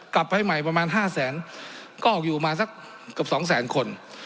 กลับไปใหม่ประมาณ๕แสนก็ออกอยู่มาสักเกือบสองแสนคน